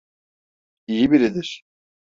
İyi biridir.